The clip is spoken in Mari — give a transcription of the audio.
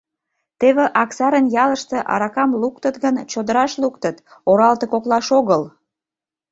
— Теве Аксарын ялыште аракам луктыт гынат, чодыраш луктыт, оралте коклаш огыл...